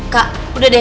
kak udah deh